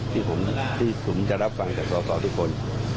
ที่ผมจะรับฟังจากสอสอทุกคน